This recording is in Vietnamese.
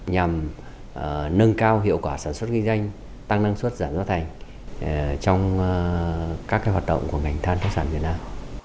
nhằm nâng cao hiệu quả sản xuất kinh doanh tăng năng suất giảm giá thành trong các hoạt động của ngành than khoáng sản việt nam